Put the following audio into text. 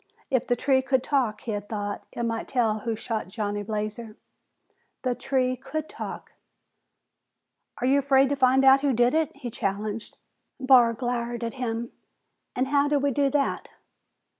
If the tree could talk, he had thought, it might tell who shot Johnny Blazer. The tree could talk! "Are you afraid to find out who did it?" he challenged. Barr glowered at him. "An' how do we do that!"